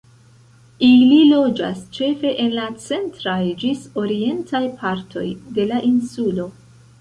Ili loĝas ĉefe en la centraj ĝis orientaj partoj de la insulo.